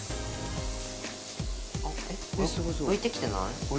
浮いてきてない？